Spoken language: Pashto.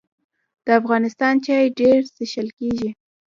د افغانستان چای ډیر څښل کیږي